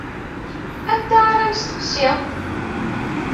Anta ara nesteqsi?